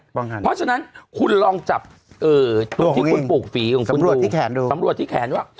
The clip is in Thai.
เพราะฉะนั้นคุณลองจับตัวที่คุณปลูกฝีสำรวจที่แขนดู